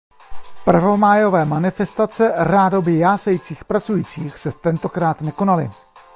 Prvomájové manifestace rádoby jásajících pracujících se tentokrát nekonaly.